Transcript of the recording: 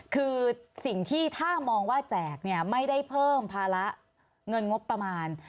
คือสิ่งที่ถ้ามองว่าแจกเนี่ยไม่ได้เพิ่มภาระเงินงบประมาณ